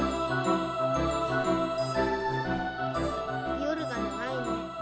夜が長いね。